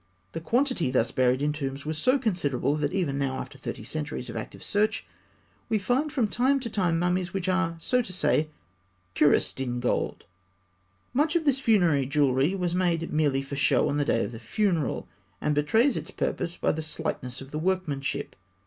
The quantity thus buried in tombs was so considerable that even now, after thirty centuries of active search, we find from time to time mummies which are, so to say, cuirassed in gold. Much of this funerary jewellery was made merely for show on the day of the funeral, and betrays its purpose by the slightness of the workmanship.